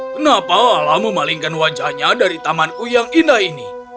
kenapa alam memalingkan wajahnya dari tamanku yang indah ini